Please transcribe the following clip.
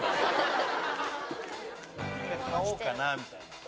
１回買おうかなぁみたいな。